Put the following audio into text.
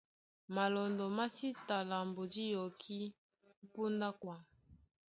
Malɔndɔ má sí ta lambo dí yɔkí ó póndá a kwaŋ.